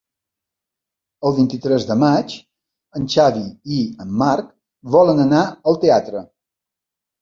El vint-i-tres de maig en Xavi i en Marc volen anar al teatre.